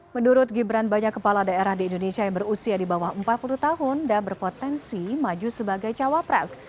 menurut gibran banyak kepala daerah di indonesia yang berusia di bawah empat puluh tahun dan berpotensi maju sebagai cawapres